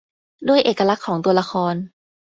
ด้วยเอกลักษณ์ของตัวละคร